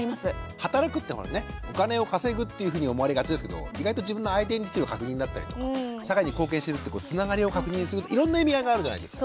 働くってねお金を稼ぐっていうふうに思われがちですけど意外と自分のアイデンティティーの確認だったりとか社会に貢献してるってつながりを確認するいろんな意味合いがあるじゃないですか。